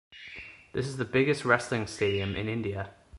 This is a biggest Wrestling Stadium in India.